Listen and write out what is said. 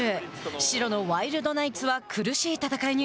白のワイルドナイツは苦しい戦いに。